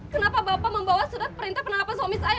kenapa bapak membawa surat perintah penangkapan suami saya